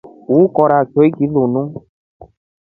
Ukovya kiki linu.